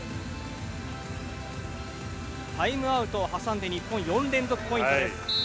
タイムアウトを挟んで日本４連続ポイントです。